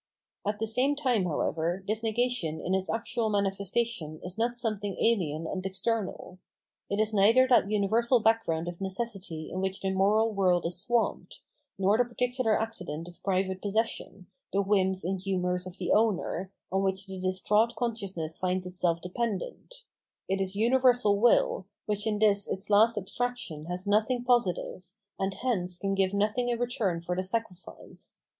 At the same time, however, this negation in its actual manifestation is not something ahen and external. It is neither that universal background of necessity in which the moral world is swamped, nor the particular accident of private possession, the whuns and humours of the owner, on which the distraught consciousness finds itself dependent ; it is universal will, which in this its last abstraction has nothing positive, and hence can give nothing m return for the sacrifice.